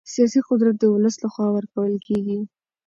سیاسي قدرت د ولس له خوا ورکول کېږي